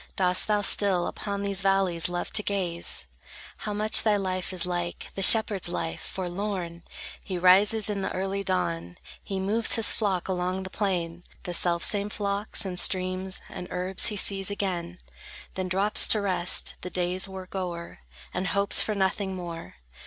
Dost thou still Upon these valleys love to gaze? How much thy life is like The shepherd's life, forlorn! He rises in the early dawn, He moves his flock along the plain; The selfsame flocks, and streams, and herbs He sees again; Then drops to rest, the day's work o'er; And hopes for nothing more.